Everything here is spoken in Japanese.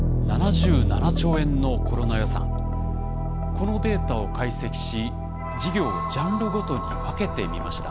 このデータを解析し事業をジャンルごとに分けてみました。